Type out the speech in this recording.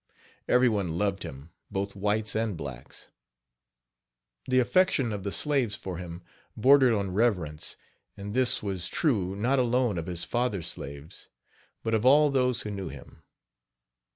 Every one loved him both whites and blacks. The affection of the slaves for him bordered on reverence, and this was true not alone of his father's slaves, but of all those who knew him.